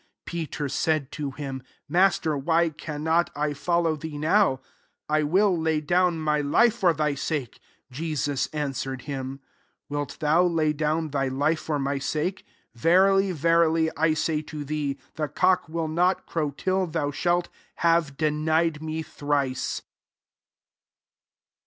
37 Peter said to him, " Master, why cannot I follow thee now? I will lay down my life for thy sake." 38 Jesus an swered him, " Wilt thou lay down thy life for my sake ? Ve rily, verily, I say to thee, The cock will not crow,* till thou shah have denied me thrice.